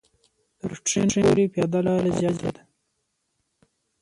تر ټرېن پورې پیاده لاره زیاته ده.